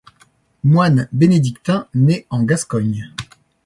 Moine bénédictin, né en Gascogne.